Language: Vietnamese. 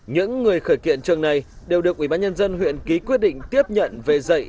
những người khởi kiện trường này đều được ubnd huyện ký quyết định tiếp nhận về dạy